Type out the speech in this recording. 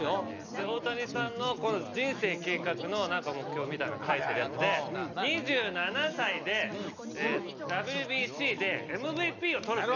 大谷さんの人生計画の目標みたいなの書いてるやつで２７歳でＷＢＣでＭＶＰをとるって。